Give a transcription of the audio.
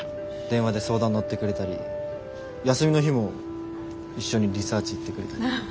電話で相談乗ってくれたり休みの日も一緒にリサーチ行ってくれたり。